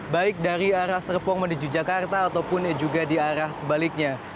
baik dari arah serpong menuju jakarta ataupun juga di arah sebaliknya